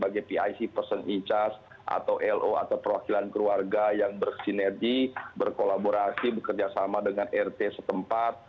jpic person in charge atau lo atau perwakilan keluarga yang bersinergi berkolaborasi bekerjasama dengan rt setempat